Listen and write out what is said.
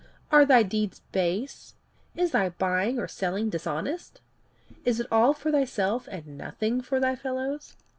Are thy deeds base? Is thy buying or selling dishonest? Is it all for thyself and nothing for thy fellows?